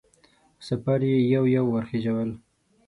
مسافر یې یو یو ور وخېژول.